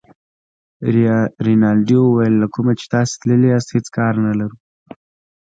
رینالډي وویل له کومه چې تاسي تللي یاست هېڅ کار نه لرو.